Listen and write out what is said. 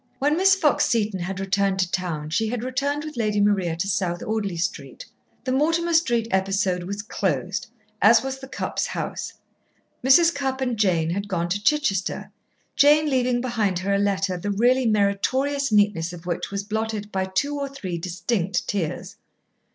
When Miss Fox Seton had returned to town she had returned with Lady Maria to South Audley Street. The Mortimer Street episode was closed, as was the Cupps' house. Mrs. Cupp and Jane had gone to Chichester, Jane leaving behind her a letter the really meritorious neatness of which was blotted by two or three distinct tears.